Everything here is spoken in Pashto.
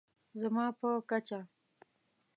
زما په کچه